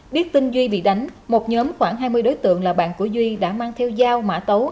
biết tin duy bị đánh một nhóm khoảng hai mươi đối tượng là bạn của duy đã mang theo dao mã tấu